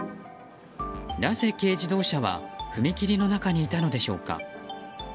なぜ軽自動車は踏切の中にいたのでしょうか。